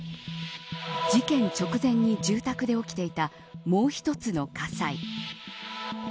事件直前に住宅で起きていたもう一つの火災。